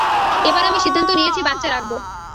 এবার আমি সিদ্ধান্ত নিয়েছি বাচ্চা রাখবো।